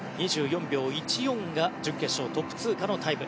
２４秒１４が準決勝トップ通過のタイム。